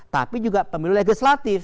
tapi juga pemilih legislatif